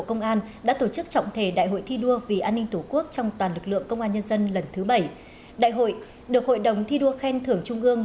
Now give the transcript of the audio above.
có thủ tướng chính phủ nguyễn tấn dũng chủ tịch hội đồng thi đua khen thưởng trung ương